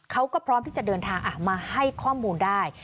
เขาก็พร้อมที่จะเดินทางมาให้ข้อมูลได้